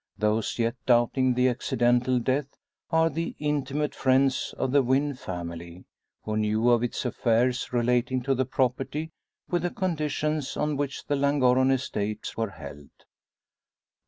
Those yet doubting the accidental death are the intimate friends of the Wynn family, who knew of its affairs relating to the property with the conditions on which the Llangorren estates were held.